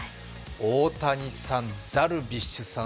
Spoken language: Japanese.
大谷さん、ダルビッシュさん